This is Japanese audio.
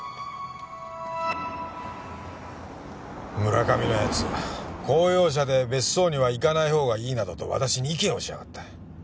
村上の奴公用車で別荘には行かないほうがいいなどと私に意見をしやがった。